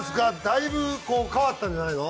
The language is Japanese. だいぶこう変わったんじゃないの？